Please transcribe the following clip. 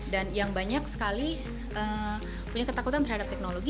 dan yang banyak sekali punya ketakutan terhadap teknologi